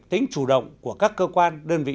tính chủ động của các cơ quan đơn vị